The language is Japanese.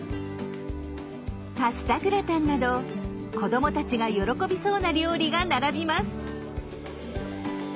パスタグラタンなど子どもたちが喜びそうな料理が並びます。